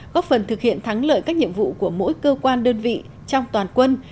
góp phần thực hiện thắng lợi các nhiệm vụ của mỗi cơ quan đơn vị trong toàn quân